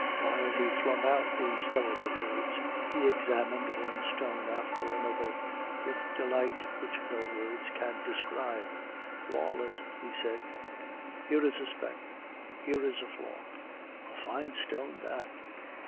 "While he flung out these terrible words, he examined one stone after another with delight which no words can describe. "'Flawless!' he said. 'Here is a speck!... here is a flaw!... A fine stone that!